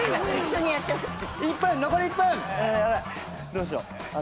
どうしよう。